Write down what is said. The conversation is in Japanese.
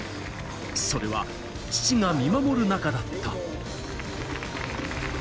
それは父が見守る中だった。